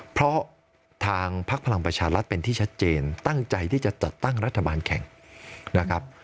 เพราะทางพักพลังประชารัฐเป็นที่ชัดเจนตั้งใจที่จะจัดตั้งรัฐบาลแข่งนะครับ